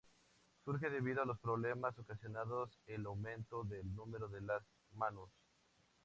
Surge debido a los problemas ocasionados el aumento del número de las "manus.